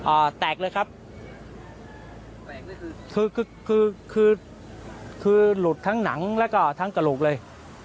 อ่าแตกเลยครับคือหลุดทั้งหนังแล้วก็ทั้งกระหลูกเลย